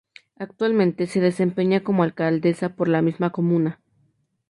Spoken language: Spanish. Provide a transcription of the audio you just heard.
Actualmente se desempeña como Alcaldesa por la misma comuna.